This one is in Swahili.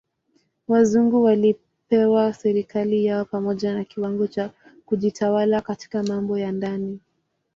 Wazungu walipewa serikali yao pamoja na kiwango cha kujitawala katika mambo ya ndani.